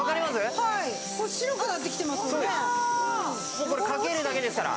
もうこれかけるだけですから。